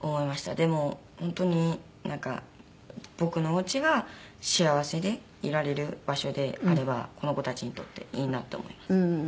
でも本当に僕のお家が幸せでいられる場所であればこの子たちにとっていいなと思います。